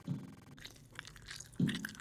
پخلی خو لا پر ځای پرېږده.